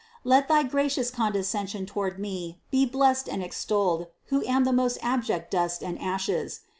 Let thy gracious condescension toward me be blessed and extolled, who am the most abject dust and ashes.